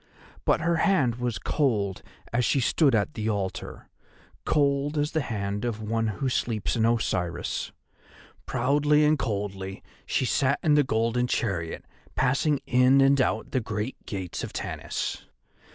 But her hand was cold as she stood at the altar, cold as the hand of one who sleeps in Osiris. Proudly and coldly she sat in the golden chariot passing in and out the great gates of Tanis.